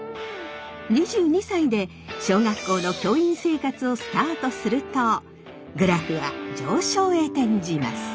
２２歳で小学校の教員生活をスタートするとグラフは上昇へ転じます。